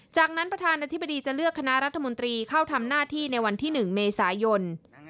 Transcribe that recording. จากนั้นประธานาธิบดีจะเลือกคณะรัฐมนตรีเข้าทำหน้าที่ในวันที่๑เมษายน